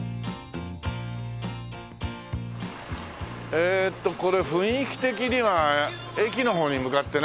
えーっとこれ雰囲気的には駅の方に向かってない？